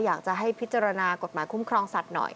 อยากจะให้พิจารณากฎหมายคุ้มครองสัตว์หน่อย